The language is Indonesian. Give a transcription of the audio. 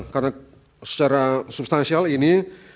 karena secara substansial ini